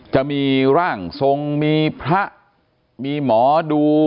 จะมีร่างทรงมีพระมีหมอดู